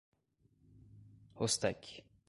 Rostec